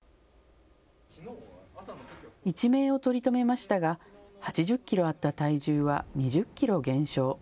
一命を取り留めましたが８０キロあった体重は２０キロ減少。